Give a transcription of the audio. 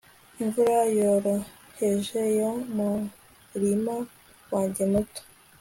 imvura yoroheje yo murima wanjye muto